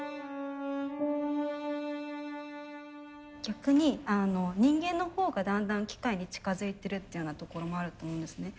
逆に人間のほうがだんだん機械に近づいてるっていうようなところもあると思うんですね。